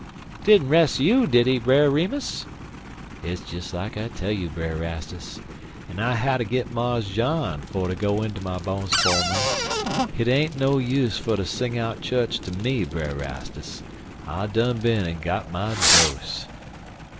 "He didn't 'res' you, did he, Brer Remus?" "Hit's des like I tell you, Brer Rastus, an' I hatter git Mars John fer to go inter my bon's fer me. Hit ain't no use fer ter sing out chu'ch ter me, Brer Rastus. I done bin an' got my dose.